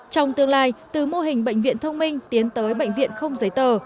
trong tương lai từ mô hình bệnh viện thông minh tiến tới bệnh viện không giấy tờ